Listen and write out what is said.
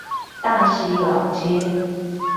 大溪老街